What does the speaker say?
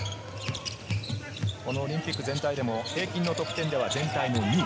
このオリンピック全体でも平均の得点は全体の２位。